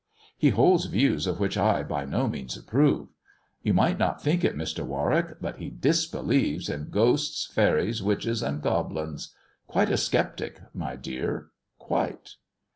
He holds views of which I by no means approve. You might not think it, Mr. Warwick, but he disbelieves in ghosts, faeries, witches, and goblins. Quite a sceptic, my dear, quite."